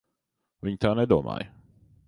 Viņa tā nedomāja.